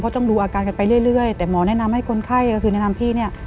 ต้องดูอาการกันไปเรื่อยแต่หมอแนะนำให้คนไข้ก็คือแนะนำพี่เนี่ย